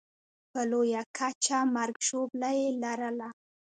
په لویه کچه مرګ ژوبله یې لرله.